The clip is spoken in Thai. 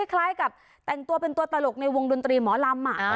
คล้ายกับแต่งตัวเป็นตัวตลกในวงดนตรีหมอลำ